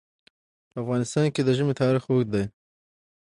په افغانستان کې د ژمی تاریخ اوږد دی.